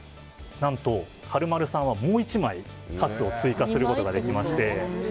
何と、かるまるさんはもう１枚、カツを追加することができまして。